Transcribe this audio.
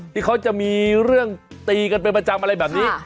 ที่เขาจะมีเรื่องตีกันเป็นประจำอะไรแบบนี้